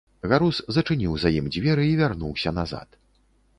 Гарус зачыніў за ім дзверы і вярнуўся назад.